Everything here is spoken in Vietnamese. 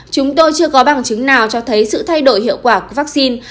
chúng tôi chưa có bằng chứng nào cho thấy sự thay đổi hiệu quả của vaccine